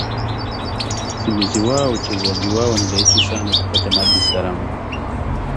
Sisimizi wao uchezaji wao ni rahisi sana – kupata maji salama